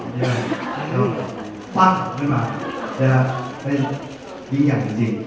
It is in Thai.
ซึ่งแบบปากหัวของเขามาเยี่ยมมากจริง